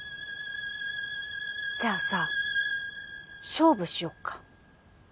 じゃあさ勝負しよっか。